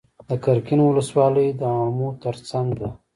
د قرقین ولسوالۍ د امو تر څنګ ده